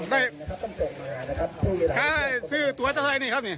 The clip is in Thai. ได้กลายให้สื่อตัวจะใครไหมครับนี่